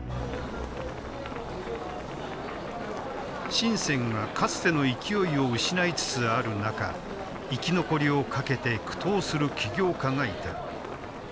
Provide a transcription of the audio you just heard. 深がかつての勢いを失いつつある中生き残りをかけて苦闘する起業家がいた。